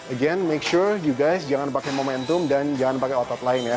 again make sure you guys jangan pake momentum dan jangan pake otot lain ya